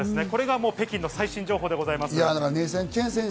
これが北京の最新情報でございます。